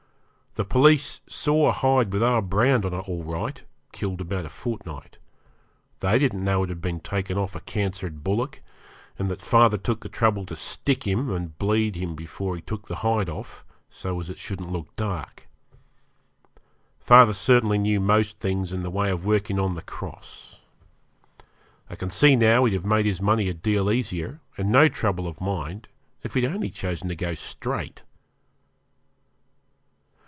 The police saw a hide with our brand on, all right killed about a fortnight. They didn't know it had been taken off a cancered bullock, and that father took the trouble to 'stick' him and bleed him before he took the hide off, so as it shouldn't look dark. Father certainly knew most things in the way of working on the cross. I can see now he'd have made his money a deal easier, and no trouble of mind, if he'd only chosen to go straight.